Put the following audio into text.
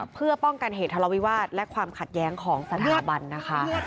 เพื่อป้องกันเหตุทะเลาวิวาสและความขัดแย้งของสถาบันนะคะ